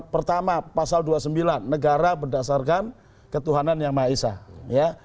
pertama pasal dua puluh sembilan negara berdasarkan ketuhanan yang ma'isah